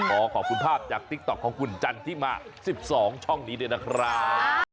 ขอขอบคุณภาพจากคุณจันทร์ที่มา๑๒ช่องนี้ด้วยนะครับ